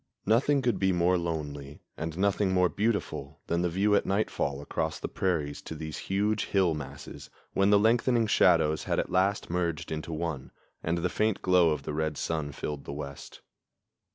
Nothing could be more lonely and nothing more beautiful than the view at nightfall across the prairies to these huge hill masses, when the lengthening shadows had at last merged into one and the faint glow of the red sun filled the west.